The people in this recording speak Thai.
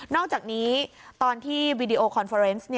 อกจากนี้ตอนที่วีดีโอคอนเฟอร์เนส